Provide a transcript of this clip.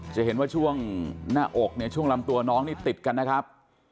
จะเห็นว่าช่วงหน้าอกเนี่ยช่วงลำตัวน้องนี่ติดกันนะครับ